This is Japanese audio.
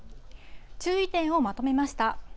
注意点をまとめました。